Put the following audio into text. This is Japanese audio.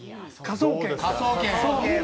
『科捜研』。